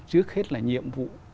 trước hết là nhiệm vụ